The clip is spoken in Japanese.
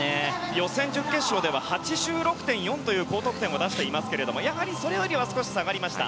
予選、準決勝では８６．４という高得点を出していますがやはりそれより少し下がりました。